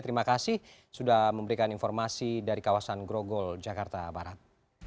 terima kasih sudah memberikan informasi dari kawasan grogol jakarta barat